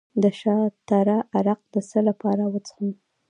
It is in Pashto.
د شاه تره عرق د څه لپاره وڅښم؟